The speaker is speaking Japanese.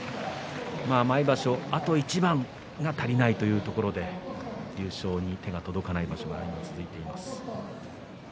毎場所、あと一番が足りないというところで優勝に手が届かない場所が続いています。